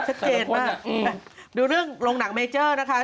ชัดเจนมากดูเรื่องลงหนังเมเจอร์นะคะ